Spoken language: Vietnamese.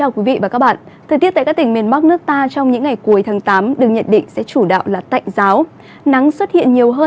các bạn hãy đăng ký kênh để ủng hộ kênh của chúng mình nhé